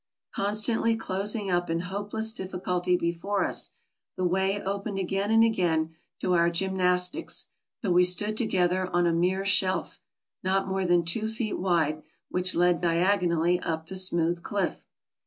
Constantly clos ing up in hopeless difficulty before us, the way opened again and again to our gymnastics, till we stood together on a mere shelf, not more than two feet wide, which led diag onally up the smooth cliff.